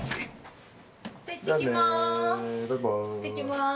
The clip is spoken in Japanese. じゃいってきます。